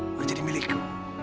udah jadi milikku